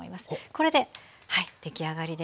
これではい出来上がりです。